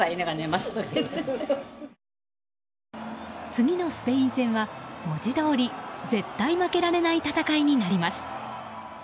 次のスペイン戦は、文字どおり絶対負けられない戦いになります。